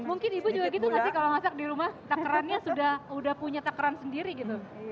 mungkin ibu juga gitu gak sih kalau masak di rumah takerannya sudah punya takeran sendiri gitu